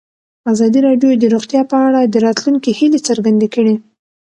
ازادي راډیو د روغتیا په اړه د راتلونکي هیلې څرګندې کړې.